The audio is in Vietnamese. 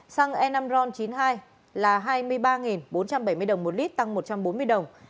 xăng e năm ron chín mươi hai là hai mươi ba bốn trăm bảy mươi đồng một lít tăng một trăm bốn mươi đồng